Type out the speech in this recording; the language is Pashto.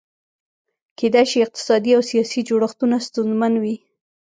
کېدای شي اقتصادي او سیاسي جوړښتونه ستونزمن وي.